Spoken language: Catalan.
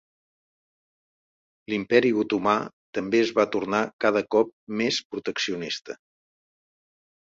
L'Imperi Otomà també es va tornar cada cop més proteccionista.